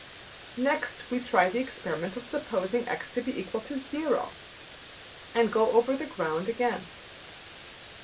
Next we try the experiment of supposing $x$ to be equal to zero (0), and go over the ground again.